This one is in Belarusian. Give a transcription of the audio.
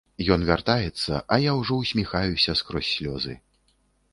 Ён вяртаецца, а я ўжо ўсміхаюся скрозь слёзы.